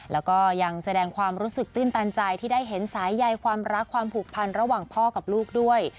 แล้วก็ยังแสดงความรู้สึกตื้นตันใจที่ได้เห็นสายใยความรักความผูกพันระหว่างพ่อกับลูกด้วย